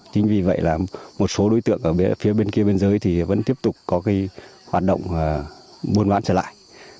chính vì vậy là một số đối tượng ở phía bên kia bên dưới thì vẫn tiếp tục có cái hoạt động buôn bán trở lại